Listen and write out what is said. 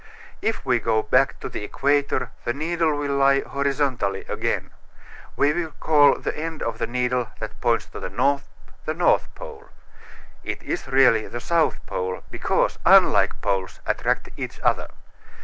If we go back to the equator the needle will lie horizontally again. We call the end of the needle that points to the north the north pole. It is really the south pole, because unlike poles attract each other.